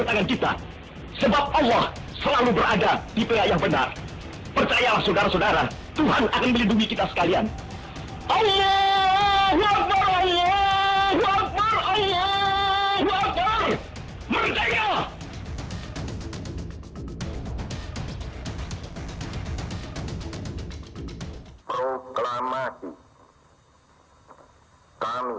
dengan kita sebab allah selalu berada di belakang benar percaya saudara saudara tuhan akan melindungi